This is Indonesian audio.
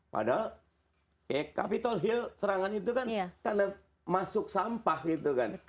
padahal capitol hill serangan itu kan karena masuk sampah gitu kan